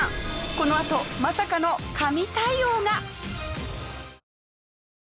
このあとまさかの神対応が！